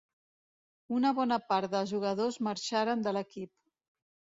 Una bona part dels jugadors marxaren de l'equip.